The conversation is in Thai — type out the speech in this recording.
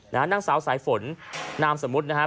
นางสาวสายฝนนามสมมุตินะครับ